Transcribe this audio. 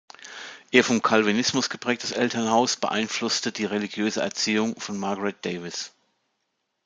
Ihr vom Calvinismus geprägtes Elternhaus beeinflusste die religiöse Erziehung von Margaret Davies.